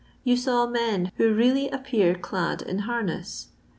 Tou taw men who TOfillj Appear clad in harness.